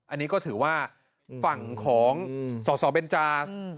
อันนี้ก็ถือว่าฝั่งของสอสอเบนจา